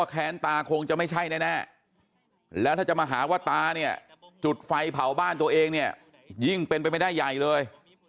แล้วถ้าจะมาหาว่าตาเนี่ยจุดไฟเผาบ้านตัวเองเนี่ยยิ่งเป็นไปไม่ได้ใหญ่เลย